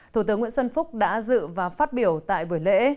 thủ tướng nguyễn xuân phúc đã dự và phát biểu tại buổi lễ